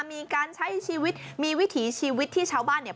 มีการใช้ชีวิตมีวิถีชีวิตที่ชาวบ้านเนี่ย